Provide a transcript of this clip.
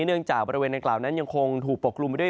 เนื่องจากบริเวณดังกล่าวนั้นยังคงถูกปกกลุ่มไปด้วย